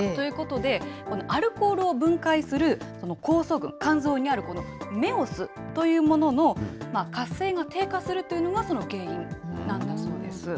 ということで、アルコールを分解する酵素群、肝臓にあるこのＭＥＯＳというものの活性が低下するというのがその原因なんだそうです。